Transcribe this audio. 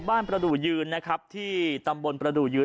ประดูกยืนนะครับที่ตำบลประดูกยืน